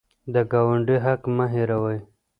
د ګاونډي حق مه هېروئ.